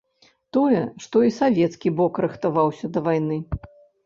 Тое, што і савецкі бок рыхтаваўся да вайны.